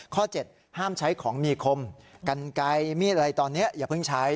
๗ห้ามใช้ของมีคมกันไกลมีดอะไรตอนนี้อย่าเพิ่งใช้